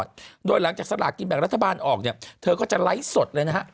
โดยหลังจากสลากกินแบ่งรัฐบาลออกเนี่ยเธอก็จะไลฟ์สดเลยนะฮะ